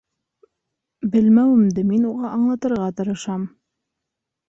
Белмәүемде мин уға аңлатырға тырышам.